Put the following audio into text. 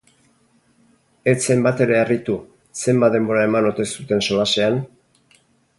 Ez zen batere harritu, zenbat denbora eman ote zuten solasean?